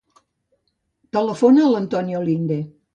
Telefona a l'Antonio Linde.